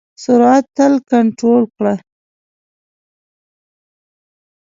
سرعت تل کنټرول کړه.